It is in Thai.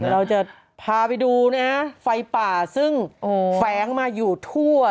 เราจะพาไปดูนะฮะไฟป่าซึ่งแฝงมาอยู่ทั่ว